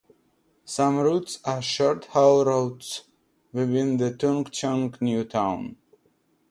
Some routes are short-haul routes within the Tung Chung new town.